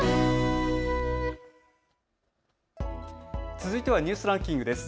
続いてはニュースランキングです。